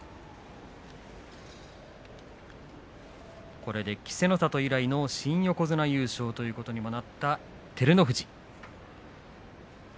これで稀勢の里以来の新横綱優勝となった照ノ富士です。